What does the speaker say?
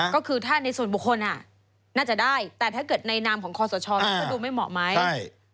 ก็คือถ้าในส่วนบุคคลน่าจะได้แต่ถ้าเกิดในนามของคอสชมันก็ดูไม่เหมาะไหม